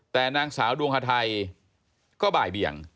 แต่นางสาวดวงฮาไทยก็บ่ายเบี่ยง